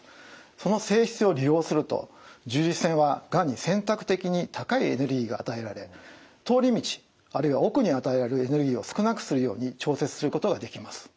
その性質を利用すると重粒子線はがんに選択的に高いエネルギーが与えられ通り道あるいは奥に与えられるエネルギーを少なくするように調節することができます。